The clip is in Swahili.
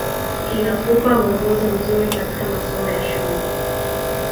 inakupa muongozo mzuri katika masomo ya shule